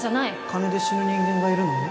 金で死ぬ人間がいるのに？